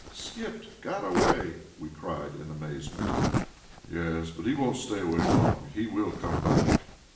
"Skipped! Got away!" we cried in amazement. "Yes, but he won't stay away long; he will come back."